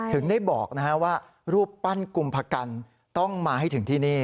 ถึงได้บอกว่ารูปปั้นกุมพกันต้องมาให้ถึงที่นี่